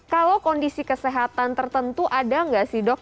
kalau kondisi kesehatan tertentu ada nggak sih dok